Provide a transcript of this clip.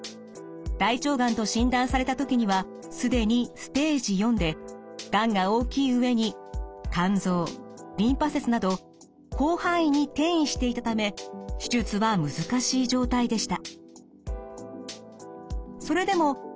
大腸がんと診断された時には既にステージ４でがんが大きい上に肝臓リンパ節など広範囲に転移していたため手術は難しい状態でした。